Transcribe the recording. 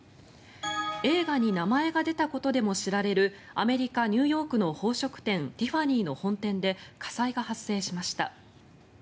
映画に名前が出たことでも知られるアメリカ・ニューヨークの宝飾店ティファニーの本店で火災が発生しました。